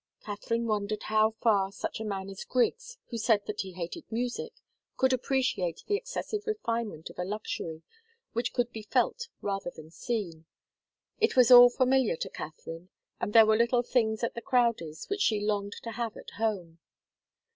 Katharine wondered how far such a man as Griggs, who said that he hated music, could appreciate the excessive refinement of a luxury which could be felt rather than seen. It was all familiar to Katharine, and there were little things at the Crowdies which she longed to have at home.